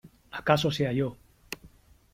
¡ acaso sea yo !...